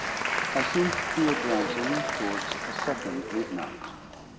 I seemed to be advancing towards a second midnight.